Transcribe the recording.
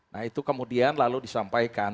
nah itu kemudian lalu disampaikan